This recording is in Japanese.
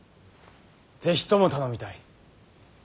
是非とも頼みたい。